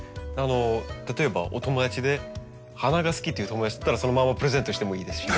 例えばお友達で花が好きっていう友達だったらそのままプレゼントしてもいいですしね。